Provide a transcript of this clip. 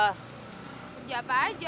kerja apa aja